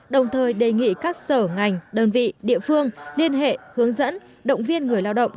đồng thời đề nghị các sở ngành đơn vị địa phương liên hệ hướng dẫn động viên người lao động